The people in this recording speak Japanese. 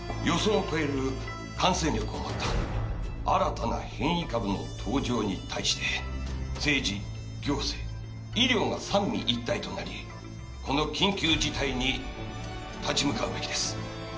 「予想を超える感染力を持った新たな変異株の登場に対して政治行政医療が三位一体となりこの緊急事態に立ち向かうべきです」